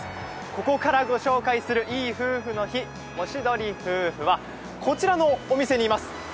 ここからご紹介するいい夫婦の日、おしどりふはこちらのお店にいます。